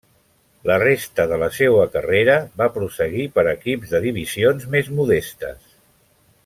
La resta de la seua carrera va prosseguir per equips de divisions més modestes.